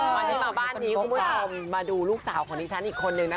วันนี้มาบ้านนี้คุณผู้ชมมาดูลูกสาวของดิฉันอีกคนนึงนะคะ